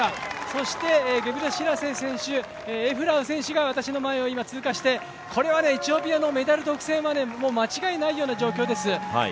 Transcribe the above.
そしてゲブレシラシエ選手、エフラウ選手が、今私の前を通過して、エチオピアのメダル独占は間違いないという状況です。